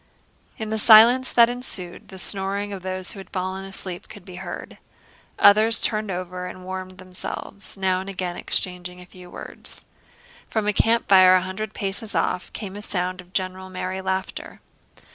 In the silence that ensued, the snoring of those who had fallen asleep could be heard. Others turned over and warmed themselves, now and again exchanging a few words. From a campfire a hundred paces off came a sound of general, merry laughter.